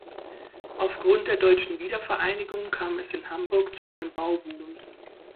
Aufgrund der deutschen Wiedervereinigung kam es in Hamburg zu einem Bauboom.